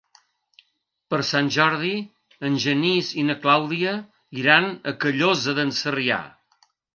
Per Sant Jordi en Genís i na Clàudia iran a Callosa d'en Sarrià.